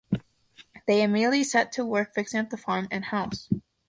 They immediately set to work fixing up the farm and house.